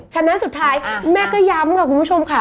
ฉะนั้นสุดท้ายแม่ก็ย้ำค่ะคุณผู้ชมค่ะ